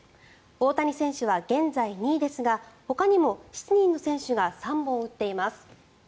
大谷選手は現在、２位ですがほかにも７人の選手が３本打っています。